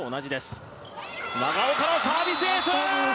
長岡のサービスエース！